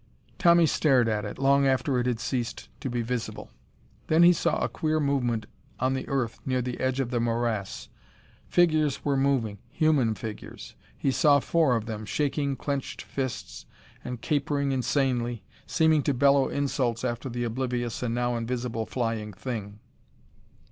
Tommy stared at it, long after it had ceased to be visible. Then he saw a queer movement on the earth near the edge of the morass. Figures were moving. Human figures. He saw four of them, shaking clenched fists and capering insanely, seeming to bellow insults after the oblivious and now invisible flying thing.